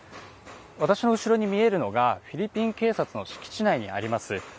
私の後ろに見えるのがフィリピン警察の敷地内にあります